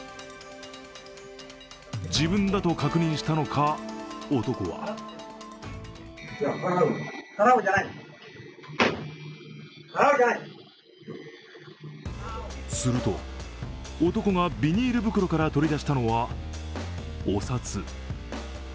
自分だと確認したのか、男はすると、男がビニール袋から取り出したのは、お札。